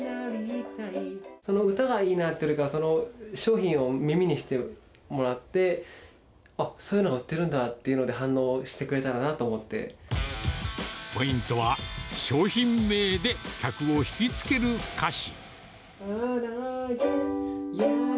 その歌がいいなというよりかは、商品を耳にしてもらって、あっ、そういうのが売ってるんだっていうので、反応してくれたらなと思ポイントは、商品名で客を引き付ける歌詞。